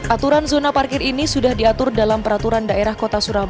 aturan zona parkir ini sudah diatur dalam peraturan daerah kota surabaya